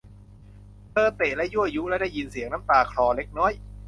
เธอเตะและยั่วยุ และได้ยินเสียงน้ำตาคลอเล็กน้อย